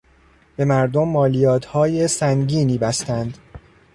به مردم مالیاتهای سنگینی بستند.